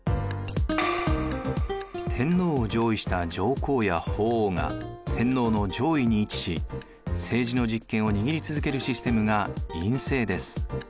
天皇を譲位した上皇や法皇が天皇の上位に位置し政治の実権を握り続けるシステムが院政です。